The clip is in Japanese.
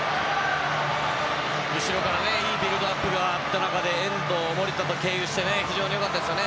後ろからいいビルドアップがあった中で遠藤、守田と経由して非常に良かったです。